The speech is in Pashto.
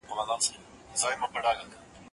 زه مخکي ليکنه کړې وه!؟